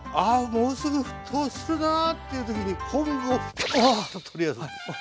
もうすぐ沸騰するなっていう時に昆布をあぁ！っと取り出す。